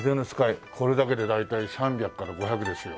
これだけで大体３００から５００ですよ。